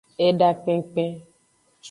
Eda kpenkpen.